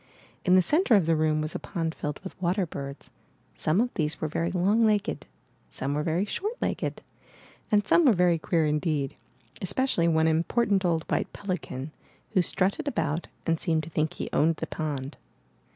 In the center of the room was a pond filled with water birds. Some of these were very long legged, some were very short legged, and some were very queer indeed, especially one important old white pelican, who strutted about and seemed to think he owned the pond.